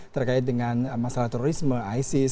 terkait dengan masalah terorisme isis